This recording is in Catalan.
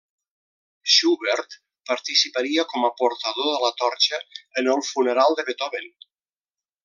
Schubert participaria com a portador de la torxa en el funeral de Beethoven.